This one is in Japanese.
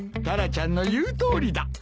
タラちゃんの言うとおりだ。